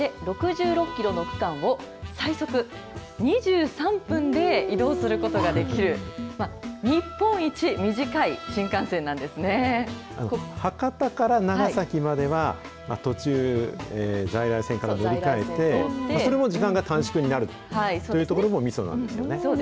６６キロの区間を最速２３分で移動することができる、博多から長崎までは、途中、在来線から乗り換えて、それも時間が短縮になるというところも、みそなんですよね。